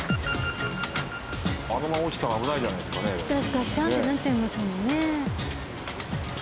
ガッシャーンってなっちゃいますもんね。